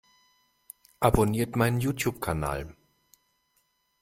Abonniert meinen YouTube-Kanal!